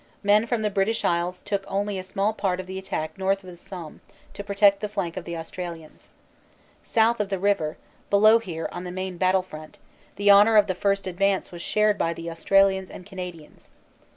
Men from the British Isles took only a small part of the attack north of the Somme to protect the flank of the Australians. South of the river, below here on the main battlefront. the honor of the first ad vance was shared by the Australians and Canadians.